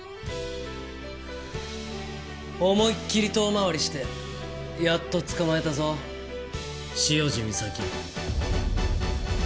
思いっきり遠回りしてやっとつかまえたぞ潮路岬。